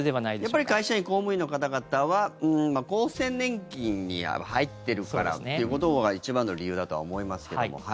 やっぱり会社員・公務員の方々は厚生年金に入っているからということが一番の理由だとは思いますけども。